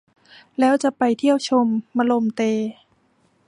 แล้วจะไปเที่ยวชมมะลมเต